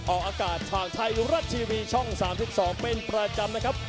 ออกอากาศทางไทยรัฐทีวีช่อง๓๒เป็นประจำนะครับ